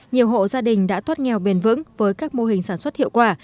nhiều hộ gia đình đã thoát nghèo bền vững với các mô hình sản xuất hiệu quả